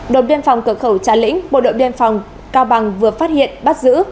đồn biên phòng cửa khẩu trà lĩnh bộ đội biên phòng cao bằng vừa phát hiện bắt giữ